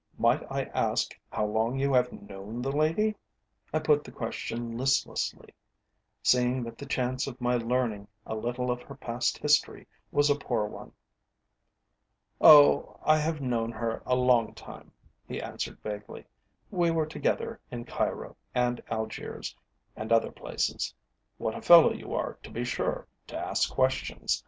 Might I ask how long you have known the lady?" I put the question listlessly, seeing that the chance of my learning a little of her past history was a poor one. "Oh, I have known her a long time," he answered vaguely. "We were together in Cairo and Algiers, and other places. What a fellow you are, to be sure, to ask questions!